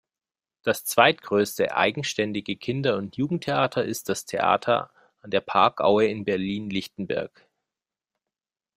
Das zweitgrößte eigenständige Kinder- und Jugendtheater ist das Theater an der Parkaue in Berlin-Lichtenberg.